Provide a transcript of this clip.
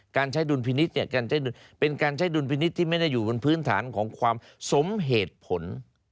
การใช้ดุลพินิษฐ์เป็นการใช้ดุลพินิษฐ์ที่ไม่ได้อยู่บนพื้นฐานของความสมเหตุผล